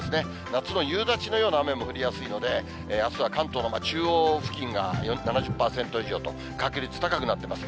夏の夕立のような雨も降りやすいので、あすは関東の中央付近が７０％以上と、確率高くなってます。